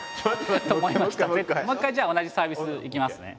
もう一回じゃあ同じサービスいきますね。